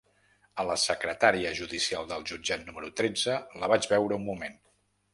A la secretària judicial del jutjat número tretze la vaig veure un moment.